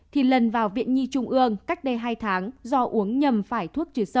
thì lần vào viện nhi trung ương cách đây hai tháng do uống nhầm phải thuốc trừ sâu